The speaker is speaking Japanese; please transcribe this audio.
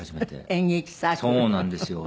そうなんですよ。